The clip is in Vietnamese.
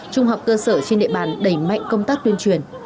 trung học cơ sở trên địa bàn đẩy mạnh công tác tuyên truyền